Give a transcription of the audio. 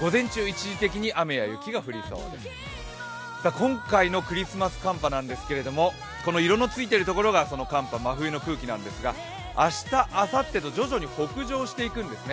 今回のクリスマス寒波なんですけども、この色のついているところが寒波、真冬の空気なんですが明日、あさってと徐々に北上していくんですね。